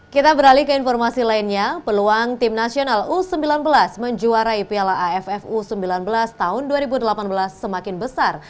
kita beralih ke informasi lainnya peluang tim nasional u sembilan belas menjuarai piala aff u sembilan belas tahun dua ribu delapan belas semakin besar